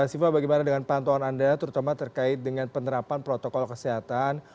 siva bagaimana dengan pantauan anda terutama terkait dengan penerapan protokol kesehatan